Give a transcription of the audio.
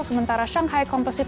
sementara shanghai composite